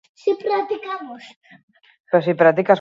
Hau hainbat kolore eta motatako marmolez egina dago.